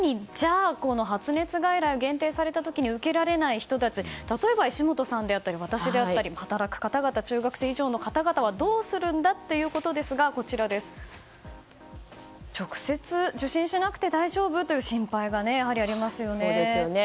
発熱外来が限定された時に受けられない人たち例えば石本さんであったり私であったり、働く方々中学生以上の方々はどうするんだということですが直接受診しなくて大丈夫？という心配がやはりありますよね。